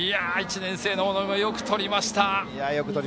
１年生の大野がよくとりました。